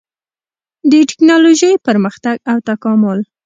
د ټېکنالوجۍ پرمختګ او تکامل